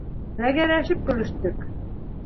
Тәгәрәшеп көлөштөк.